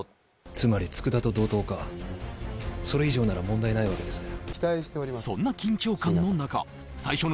つまり佃と同等かそれ以上なら問題ないわけですね